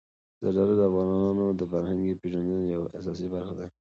زردالو د افغانانو د فرهنګي پیژندنې یوه اساسي برخه ده.